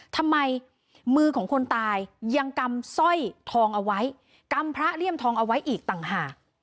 ทำไมมือของคนตายยังกำสร้อยทองเอาไว้กำพระเลี่ยมทองเอาไว้อีกต่างหาก